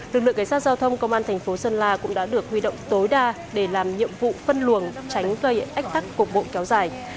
lực lượng cảnh sát giao thông công an thành phố sơn la cũng đã được huy động tối đa để làm nhiệm vụ phân luồng tránh gây ách tắc cục bộ kéo dài